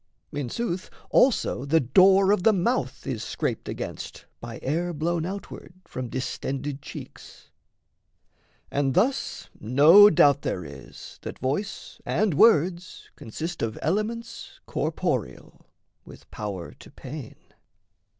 In sooth, Also the door of the mouth is scraped against [By air blown outward] from distended [cheeks]. And thus no doubt there is, that voice and words Consist of elements corporeal, With power to pain.